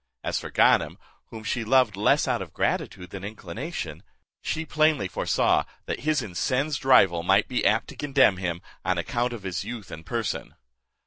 As for Ganem, whom she loved less out of gratitude than inclination, she plainly foresaw that his incensed rival might be apt to condemn him, on account of his youth and person.